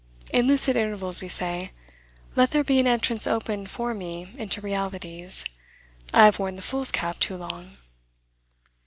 In lucid intervals we say, "Let there be an entrance opened for me into realities; I have worn the fool's cap too long."